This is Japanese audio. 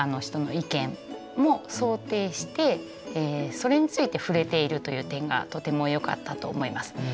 それについて触れているという点がとてもよかったと思います。